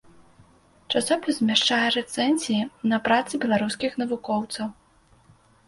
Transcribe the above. Часопіс змяшчае рэцэнзіі на працы беларускіх навукоўцаў.